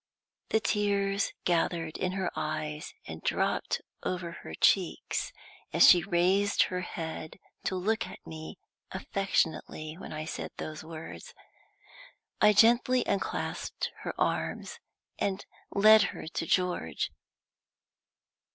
The tears gathered in her eyes and dropped over her cheeks as she raised her head to look at me affectionately when I said those words. I gently unclasped her arms and led her to George.